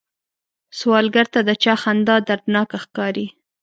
سوالګر ته د چا خندا دردناکه ښکاري